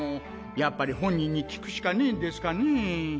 やっぱり本人に聞くしかねえんですかねえ。